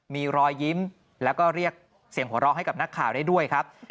มีรอยยิ้มแล้วก็เรียกเสียงหัวเราะให้กับนักข่าวได้ด้วยครับ